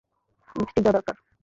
Lipstick দেওয়া দরকার।